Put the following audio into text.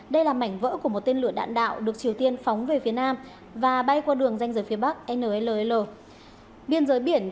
đây là mảnh vỡ của một tên lửa đạn đạo được triều tiên phóng về phía nam và bay qua đường danh giới phía bắc nlll